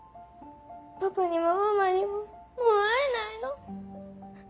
パパにもママにももう会えないの。